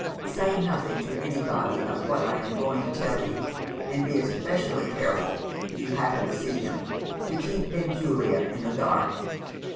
"Say nothing to anybody of what I am now going to tell you and be especially careful, if you happen to see him, to keep Benjulia in the dark.